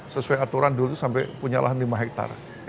sesuai aturan dulu itu sampai punya lahan lima hektar